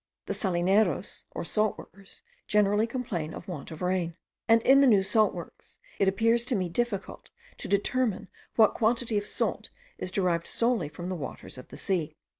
The salineros, or salt workers generally complain of want of rain; and in the new salt works, it appears to me difficult to determine what quantity of salt is derived solely from the waters of the sea.